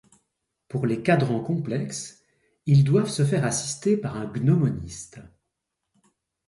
Pour les cadrans complexes, ils doivent se faire assister par un gnomoniste.